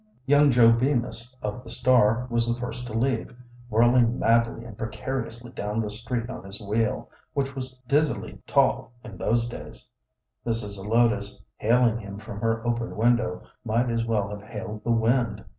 Young Joe Bemis, of The Star, was the first to leave, whirling madly and precariously down the street on his wheel, which was dizzily tall in those days. Mrs. Zelotes, hailing him from her open window, might as well have hailed the wind.